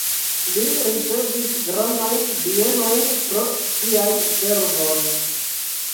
Li ricevis grandajn bienojn pro siaj servoj.